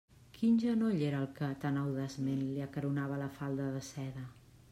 Quin genoll era el que tan audaçment li acaronava la falda de seda?